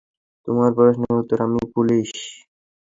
তোর প্রশ্নের উত্তর, আমি পুলিশ।